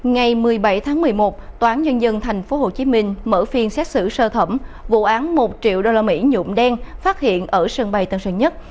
ngày một mươi bảy tháng một mươi một toán nhân dân tp hcm mở phiên xét xử sơ thẩm vụ án một triệu đô la mỹ nhụm đen phát hiện ở sân bay tân sơn nhất